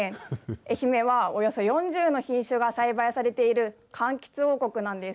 愛媛はおよそ４０の品種が栽培されているかんきつ王国なんです。